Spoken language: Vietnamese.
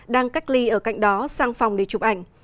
đang cách ly ở cạnh đó sang phòng để chụp ảnh